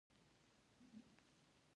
خو د شهيد دپاره مې نه دي جړلي.